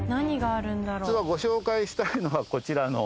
ご紹介したいのはこちらの。